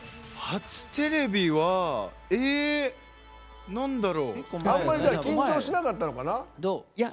初テレビはなんだろう？あんまり緊張しなかったのかな？